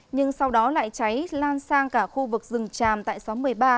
nhưng sau đó lại cháy lan sang cả khu vực rừng tràm tại xóm một mươi ba